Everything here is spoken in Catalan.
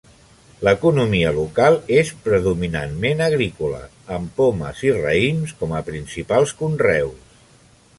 L'economia local és predominantment agrícola, amb pomes i raïms com a principals conreus.